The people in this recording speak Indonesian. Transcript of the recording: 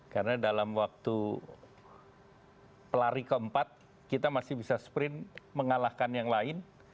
karena dalam waktu pelari keempat kita masih bisa sprint mengalahkan yang lain